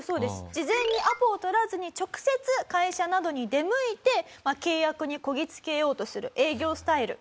事前にアポを取らずに直接会社などに出向いて契約にこぎ着けようとする営業スタイル。